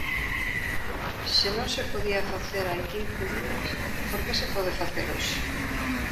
Se non se podía facer hai quince días, ¿por que se pode facer hoxe?